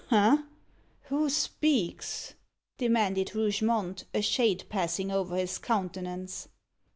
"Ha! who speaks?" demanded Rougemont, a shade passing over his countenance.